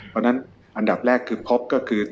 เพราะฉะนั้นอันดับแรกคือพบก็คือ